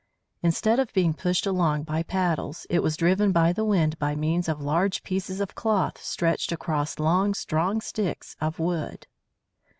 Instead of being pushed along by paddles, it was driven by the wind by means of large pieces of cloth stretched across long, strong sticks of wood.